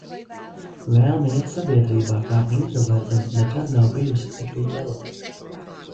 Vēlme iet sabiedrībā kā intravertam nekad nav bijusi tik liela.